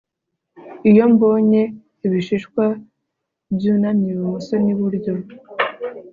iyo mbonye ibishishwa byunamye ibumoso n'iburyo